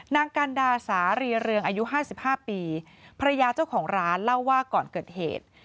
นางกันดาสารีเรืองอายุ๕๕ปีภรรยาเจ้าของร้านเล่าว่าก่อนเกิดเหตุ